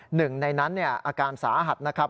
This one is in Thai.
หนึ่งในนั้นอาการสาหัสนะครับ